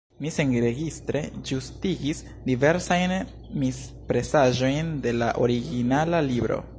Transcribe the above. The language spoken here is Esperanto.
Mi senregistre ĝustigis diversajn mispresaĵojn de la originala libro.